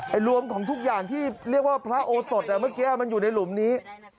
รวมของทุกอย่างที่เรียกว่าพระโอสดเมื่อกี้มันอยู่ในหลุมนี้